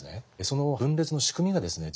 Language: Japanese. その分裂の仕組みがですね